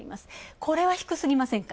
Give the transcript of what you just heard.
これは低すぎませんか？